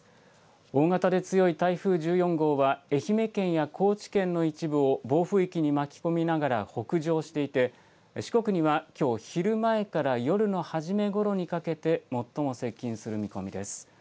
大型で強い台風１４号は、愛媛県や高知県の一部を暴風域に巻き込みながら北上していて、四国にはきょう昼前から夜の初めごろにかけて、最も接近する見込みです。